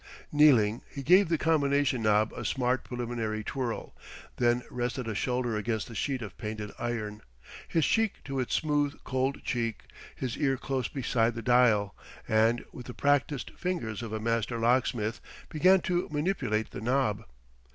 Kneeling, he gave the combination knob a smart preliminary twirl, then rested a shoulder against the sheet of painted iron, his cheek to its smooth, cold cheek, his ear close beside the dial; and with the practised fingers of a master locksmith began to manipulate the knob.